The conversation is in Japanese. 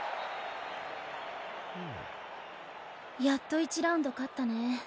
やっと１ラウンド勝ったね。